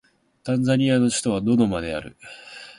タンザニアの首都はドドマである